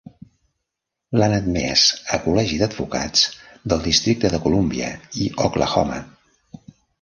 L'han admès a col·legi d'advocats del Districte de Colúmbia i Oklahoma.